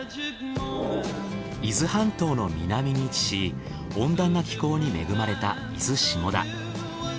伊豆半島の南に位置し温暖な気候に恵まれた伊豆下田。